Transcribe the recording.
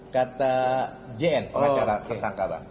kata jn acara tersangka bang